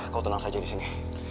kau tenang saja di sini